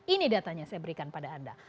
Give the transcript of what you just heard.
ini datanya saya berikan pada anda